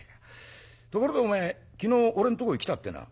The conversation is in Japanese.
ところでおめえ昨日俺んとこへ来たってな」。